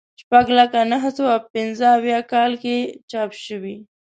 شپږ لکه نهه سوه پنځه اویا کال کې چاپ شوی.